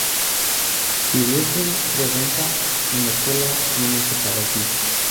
He lives in Crvenka in the Kula municipality.